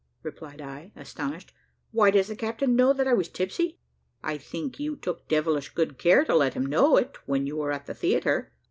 replied I, astonished. "Why, does the captain know that I was tipsy?" "I think you took devilish good care to let him know it when you were at the theatre."